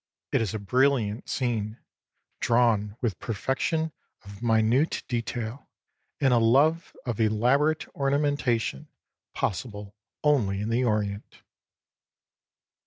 It is a brilliant scene, drawn with a perfection of minute detail and a love of elaborate ornamentation possible only in the Orient.